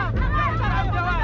bapak kita ambil as